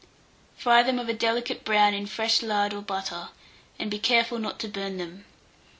Fry them of a delicate brown in fresh lard or butter, and be careful not to burn them.